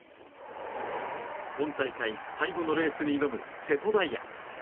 今大会、最後のレースに挑む瀬戸大也。